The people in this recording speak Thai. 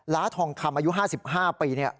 ล้าทองคำอายุ๕๕ปีเนี่ย